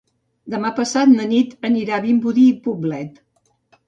Demà passat na Nit anirà a Vimbodí i Poblet.